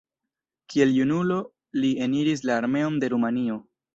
Kiel junulo li eniris la armeon de Rumanio.